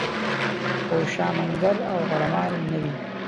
خوشامنګر او غوړه مال نه وي.